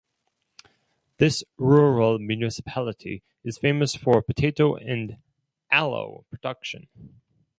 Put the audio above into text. This rural municipality is famous for Potato and "Allo" production.